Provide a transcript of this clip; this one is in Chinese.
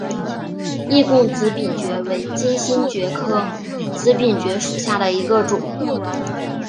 易贡紫柄蕨为金星蕨科紫柄蕨属下的一个种。